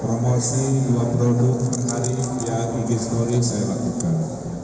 promosi dua produk per hari yang ig story saya lakukan